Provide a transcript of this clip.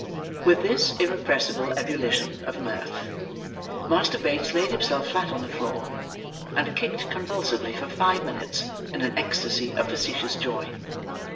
With this irrepressible ebullition of mirth, Master Bates laid himself flat on the floor: and kicked convulsively for five minutes, in an ectasy of facetious joy.